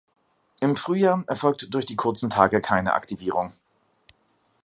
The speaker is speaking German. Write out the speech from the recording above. Im Frühjahr erfolgt durch die kurzen Tage keine Aktivierung.